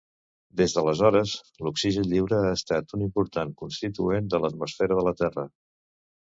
Des d'aleshores, l'oxigen lliure ha estat un important constituent de l'atmosfera de la Terra.